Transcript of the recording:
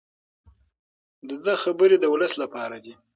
د ده خبرې د ولس لپاره دي.